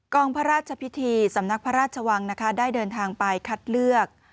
พระราชพิธีสำนักพระราชวังนะคะได้เดินทางไปคัดเลือก